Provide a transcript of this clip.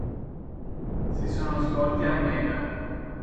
Si sono svolti a Meda.